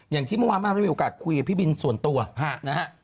อย่างที่เมื่อวานมากได้มีโอกาสคุยกับพี่บินส่วนตัวนะฮะ